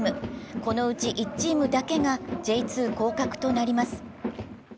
このうち１チームだけがＪ２降格となります。